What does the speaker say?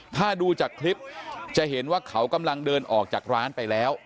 ถ้าดูจากคลิปจะเห็นว่าเขากำลังเดินออกจากร้านไปแล้ว